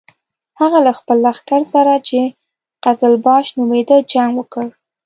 هغه له خپل لښکر سره چې قزلباش نومېده جنګ وکړ.